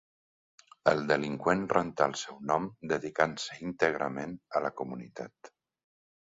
El delinqüent rentà el seu nom dedicant-se íntegrament a la comunitat.